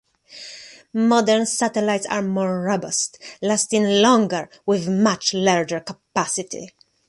Modern satellites are more robust, lasting longer with much larger capacity.